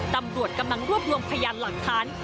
ตำรวจกำลังรวบรวมพยานหลักฐาน